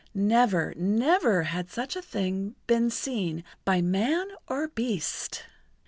Never, never had such a thing been seen by man or beast!